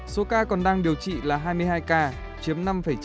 số ca còn đang điều trị là hai mươi hai ca chiếm năm chín